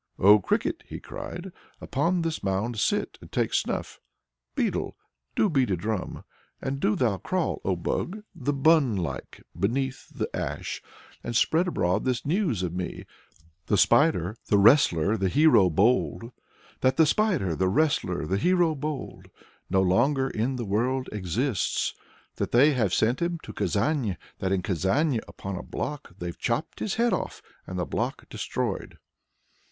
"O Cricket!" he cried, "upon this mound sit and take snuff! Beetle, do thou beat a drum. And do thou crawl, O Bug, the bun like, beneath the ash, and spread abroad this news of me, the Spider, the wrestler, the hero bold that the Spider, the wrestler, the hero bold, no longer in the world exists; that they have sent him to Kazan; that in Kazan, upon a block, they've chopped his head off, and the block destroyed."